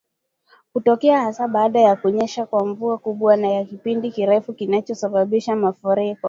Hutokea hasa baada ya kunyesha kwa mvua kubwa na ya kipindi kirefu kinachosababisha mafuriko